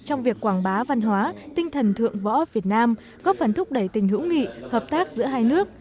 trong việc quảng bá văn hóa tinh thần thượng võ việt nam góp phần thúc đẩy tình hữu nghị hợp tác giữa hai nước